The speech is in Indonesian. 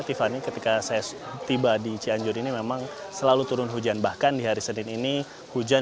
tiffany ketika saya tiba di cianjur ini memang selalu turun hujan bahkan di hari senin ini hujan